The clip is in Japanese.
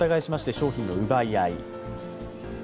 商品の奪い合い。